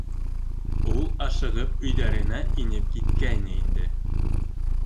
Ул ашығып өйҙәренә инеп киткәйне инде.